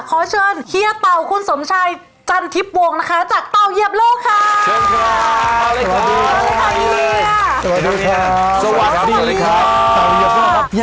ขอเชิญเฮียเต่าคุณสมชายจันทิพวงนะคะจากเต่าเยียบโลกค่ะ